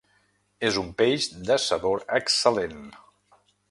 És un peix de sabor excel·lent.